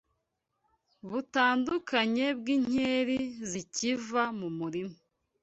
butandukanye bw’inkeri zikiva mu mirima